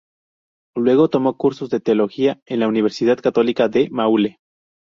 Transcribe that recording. Luego tomó cursos de teología en la Universidad Católica del Maule.